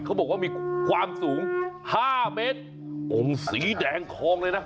เขาบอกว่ามีความสูงห้าเมตรองค์สีแดงทองเลยนะ